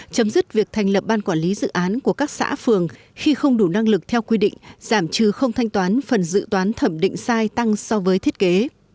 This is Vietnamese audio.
chấm dứt việc thành lập ban quản lý dự án của các xã phường khi không đủ năng lực theo quy định giảm trừ không thanh toán phần dự toán thẩm định sai tăng so với thiết kế